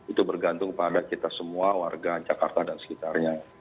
itu bergantung kepada kita semua warga jakarta dan sekitarnya